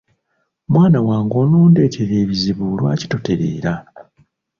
Mwana wange onondeetera ebizibu lwaki totereera?